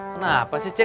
kenapa sih cek